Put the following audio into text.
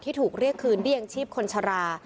ที่ถูกเรียกคืนเดี่ยงชีพคนชรา